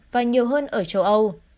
và nhiều hơn ở châu âu